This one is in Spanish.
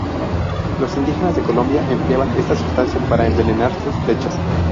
Los indígenas de Colombia empleaban esta sustancia para envenenar sus flechas.